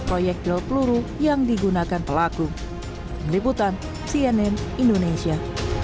proyek drop peluru yang digunakan pelaku meliputan cnn indonesia